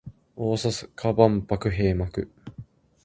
大阪万博閉幕